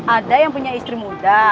ada yang punya istri muda